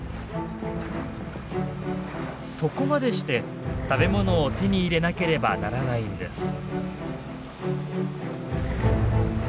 そこまでして食べ物を手に入れなければならないんです。